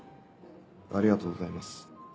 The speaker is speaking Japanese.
ありがとうございます。